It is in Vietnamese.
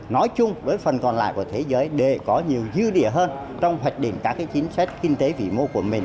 nói chung với phần còn lại của thế giới để có nhiều dư địa hơn trong hoạch định các chính sách kinh tế vĩ mô của mình